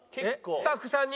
スタッフさんに？